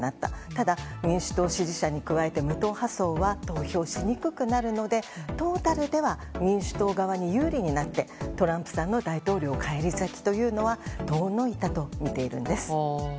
ただ、民主党支持者に加えて無党派層は投票しにくくなるのでトータルでは民主党側に有利になってトランプさんの大統領返り咲きというのは遠のいたとみているんです。